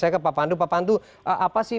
saya ke pak pandu pak pandu apa sih